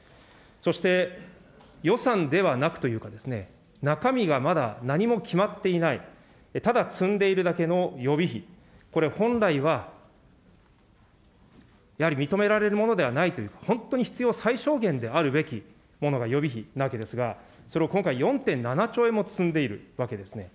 そして、予算ではなくというか、中身がまだ何も決まっていない、ただ積んでいるだけの予備費、これ、本来はやはり認められるものではないという、本当に必要最小限であるべきものが予備費なわけですが、それを今回、４．７兆円も積んでいるわけですね。